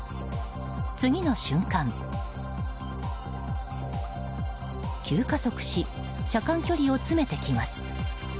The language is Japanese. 次の瞬間急加速し車間距離を詰めてきます。